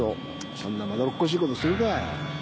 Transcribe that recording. そんなまどろっこしいことするかよ！